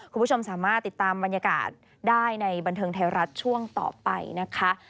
คุณผู้ชมสามารถติดตามบรรยากาศได้ในบันเทิงไทยรัฐช่วงต่อไปนะคะ